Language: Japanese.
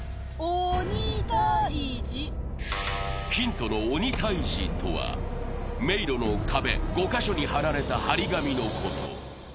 ヒントの鬼タイジとは迷路の壁５か所に貼られた貼り紙のこと。